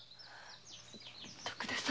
徳田様